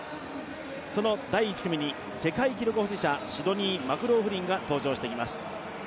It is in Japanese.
その第１組に世界記録保持者シドニー・マクローフリンが登場してきます。